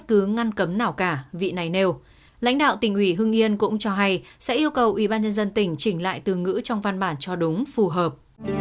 các bạn cũng cho hay sẽ yêu cầu ubnd tỉnh chỉnh lại từ ngữ trong văn bản cho đúng phù hợp